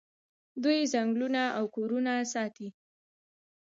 دوی ځنګلونه او کورونه ساتي.